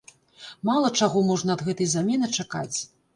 Мала чаго можна ад гэтай замены чакаць.